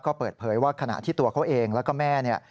ก็เปิดเผยว่าขณะที่ตัวเขาเองแล้วก็แม่เนี่ย